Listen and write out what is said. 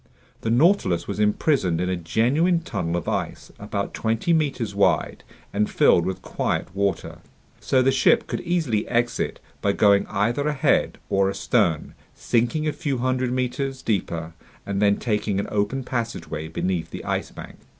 The Nautilus was imprisoned in a genuine tunnel of ice about twenty meters wide and filled with quiet water. So the ship could easily exit by going either ahead or astern, sinking a few hundred meters deeper, and then taking an open passageway beneath the Ice Bank.